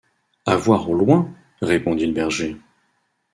À voir au loin, répondit le berger.